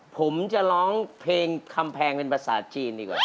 ผมจะร้องเพลงคำแพงเป็นภาษาจีนดีกว่า